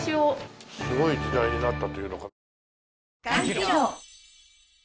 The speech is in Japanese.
すごい時代になったというのか。